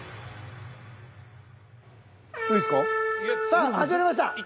さあ始まりました。